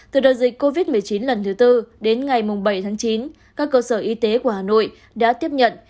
từ đợt dịch covid một mươi chín lần thứ tư đến ngày bảy tháng chín các cơ sở y tế của hà nội đã tiếp nhận